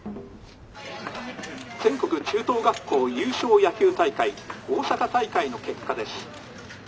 「全国中等学校優勝野球大会大阪大会の結果です」。